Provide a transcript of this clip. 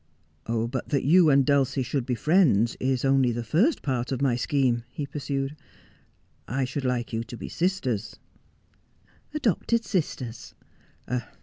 'But that you and Dulcie should be friends is only the first part of my scheme/ he pursued ;' I should like you to be sisters.' 'Adopted sisters.'